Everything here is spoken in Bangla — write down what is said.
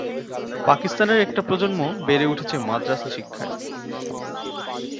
পাকিস্তানের একটা প্রজন্ম বেড়ে উঠেছে মাদ্রাসা শিক্ষায়।